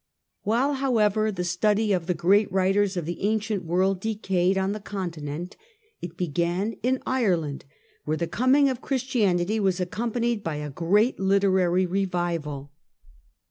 While, however, the study of the great writers of the ancient world decayed on the continent, it began in Ire land, where the coming of Christianity was accompanied by a great literary revival.